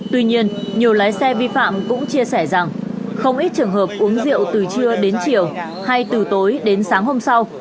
tuy nhiên nhiều lái xe vi phạm cũng chia sẻ rằng không ít trường hợp uống rượu từ trưa đến chiều hay từ tối đến sáng hôm sau